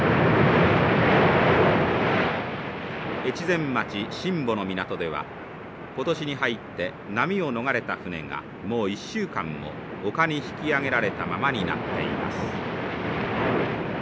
越前町新保の港では今年に入って波を逃れた船がもう１週間も陸に引き上げられたままになっています。